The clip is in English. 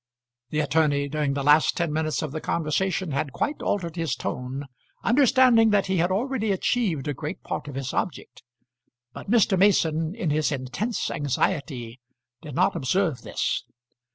The attorney during the last ten minutes of the conversation had quite altered his tone, understanding that he had already achieved a great part of his object; but Mr. Mason in his intense anxiety did not observe this.